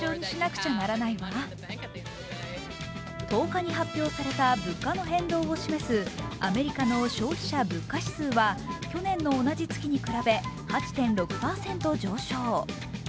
１０日に発表された物価の変動を示すアメリカの消費者物価指数は去年の同じ月に比べ８．６％上昇。